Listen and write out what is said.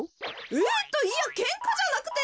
えっといやけんかじゃなくて。